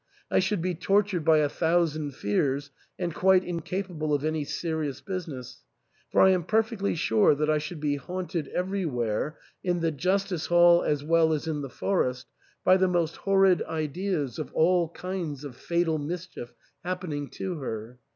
I should be tortured by a thou sand fears, and quite incapable of any serious business, for I am perfectly sure that I should be haunted everywhere, in the justice hall as well as in the forest, by the most horrid ideas of all kinds of fatal mischief happening to her.